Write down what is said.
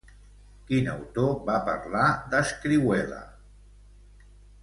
Quin autor va parlar d'Escrihuela?